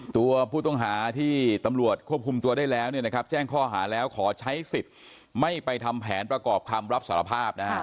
ตัวผู้ต้องหาที่ตำรวจควบคุมตัวได้แล้วขอใช้สิทธิ์ไม่ไปทำแผนประกอบคำรับสารภาพ